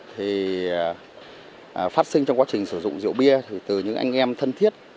thì phát sinh trong quá trình sử dụng rượu bia thì từ những anh em thân thiết